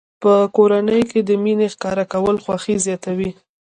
په کورنۍ کې د مینې ښکاره کول خوښي زیاتوي.